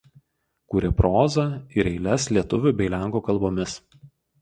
Kūrė prozą ir eiles lietuvių bei lenkų kalbomis.